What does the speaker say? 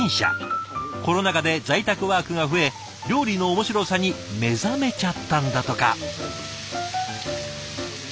コロナ禍で在宅ワークが増え料理の面白さに目覚めちゃったんだとか。